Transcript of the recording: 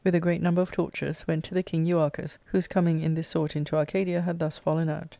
a great number of torches,* went to the king Euarchus, whose coming in this sort into Arcadia had thus fallen out.